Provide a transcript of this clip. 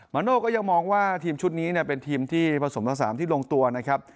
โน่ก็ยังมองว่าทีมชุดนี้เป็นทีมที่ผสมผสานที่ลงตัวนะครับ